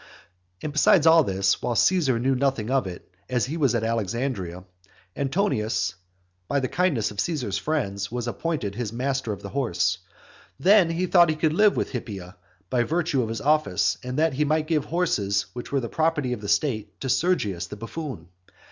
And besides all this, while Caesar knew nothing about it, as he was at Alexandria, Antonius, by the kindness of Caesar's friends, was appointed his master of the horse. Then he thought that he could live with Hippia by virtue of his office, and that he might give horses which were the property of the state to Sergius the buffoon.